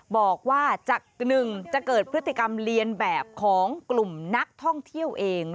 บอกว่าจากหนึ่งจะเกิดพฤติกรรมเรียนแบบของกลุ่มนักท่องเที่ยวเอง